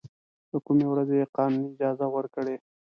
له کومې ورځې یې قانوني اجازه ورکړې.